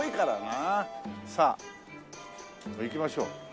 さあ行きましょう。